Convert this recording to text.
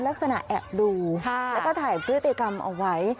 ลักษณะแอบดูแล้วก็ถ่ายพฤติกรรมเอาไว้